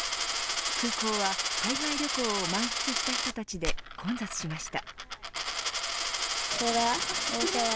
空港は海外旅行を満喫した人たちで混雑しました。